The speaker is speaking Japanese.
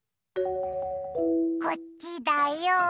こっちだよ！